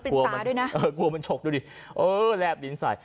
แรบลิ้นปิดตาด้วยนะเออกลัวมันฉกดูดิเออแรบลิ้นใส่